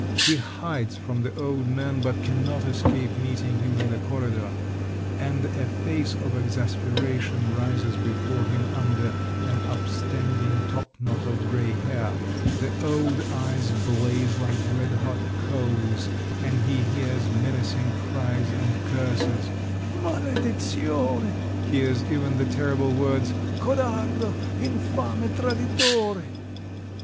He hides from the old man, but cannot escape meeting him in the corridor, and a face of exasperation rises before him under an upstanding topknot of grey hair; the old eyes blaze like red hot coals, and he hears menacing cries and curses: "Maledizione!" hears even the terrible words: "_Codardo! Infame traditore!